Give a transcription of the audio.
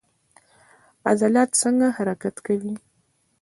عضلات څنګه حرکت کوي؟